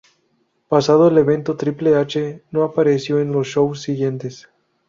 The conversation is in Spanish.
Pasado el evento, Triple H no apareció en los shows siguientes.